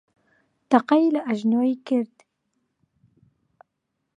تەقەی لە ئەژنۆی کرد.